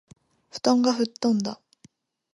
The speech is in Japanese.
布団が吹っ飛んだ